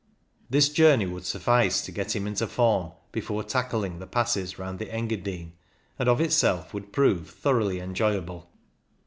This journey would suffice to get him into form before tackling the passes round the Engadine, and of itself would prove thoroughly enjoyable.